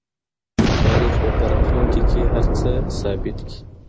تاریخ به په راتلونکي کي هر څه ثابت کړي.